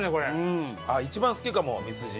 一番好きかもミスジ。